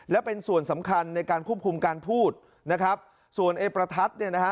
และเป็นส่วนสำคัญในการควบคุมการพูดนะครับส่วนไอ้ประทัดเนี่ยนะฮะ